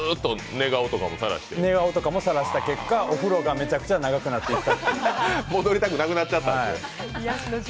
寝顔とかもさらしていった結果、お風呂がめちゃくちゃ長くなった。